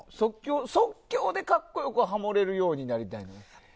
即興で格好よくハモれるようになりたい。